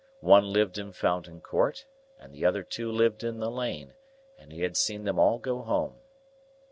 One lived in Fountain Court, and the other two lived in the Lane, and he had seen them all go home.